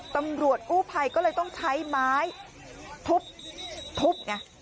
ตำรวจคู่ภัยก็เลยต้องใช้ไม้ทุบทุบเนี่ย